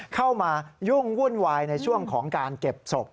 เข้ามายุ่งวุ่นวายในช่วงของการเก็บศพ